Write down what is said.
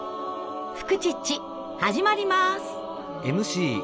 「フクチッチ」始まります。